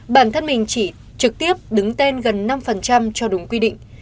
bản thân mình chỉ trực tiếp đứng tên gần năm cho đúng quy định